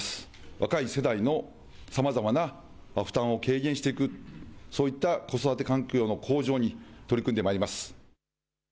若い世代のさまざまな負担を軽減していく、そういった子育て環境の向上に取り組んでまいります。